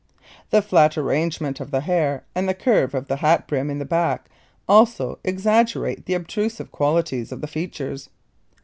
The flat arrangement of the hair and the curve of the hat brim in the back also exaggerate the obtrusive qualities of the features.